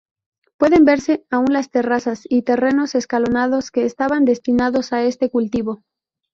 Pueden verse aún las terrazas y terrenos escalonados que estaban destinados a este cultivo.